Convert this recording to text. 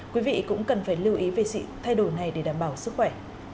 quý vị cũng cần phải lưu ý về sự thay đổi này để đảm bảo sức khỏe